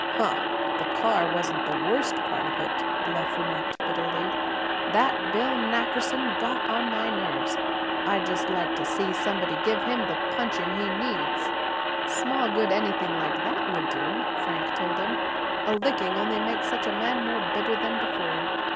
"Huh! the car wasn't the worst part of it," Bluff remarked bitterly. "That Bill Nackerson got on my nerves. I'd just like to see somebody give him the punching he needs." "Small good anything like that would do," Frank told him. "A licking only makes such a man more bitter than before.